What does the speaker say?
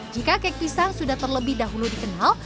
jika kek pisang sudah terlebih dahulu dikenal